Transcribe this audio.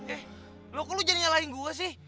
eh lo kok lo jadi nyalain gue sih